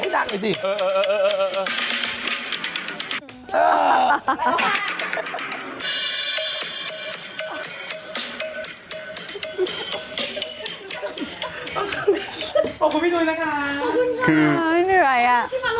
ไม่ต้องไปชิมรบกวนค่ะ